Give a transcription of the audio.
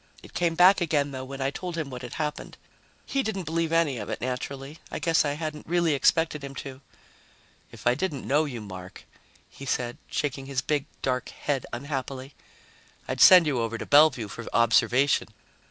It came back again, though, when I told him what had happened. He didn't believe any of it, naturally. I guess I hadn't really expected him to. "If I didn't know you, Mark," he said, shaking his big, dark head unhappily, "I'd send you over to Bellevue for observation.